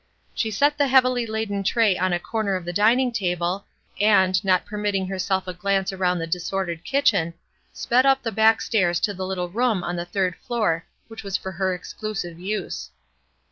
She set the heavily laden tray on a corner of the dining table, and, not permitting herself a glance around the dis ordered kitchen, sped up the backstairs to the little room on the third floor which was for her exclusive use.